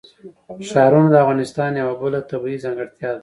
ښارونه د افغانستان یوه بله طبیعي ځانګړتیا ده.